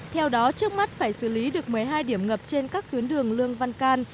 theo đó trước mắt phải xử lý được một mươi hai điểm ngập trên các tuyến đường lương văn can